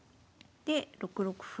で６六歩。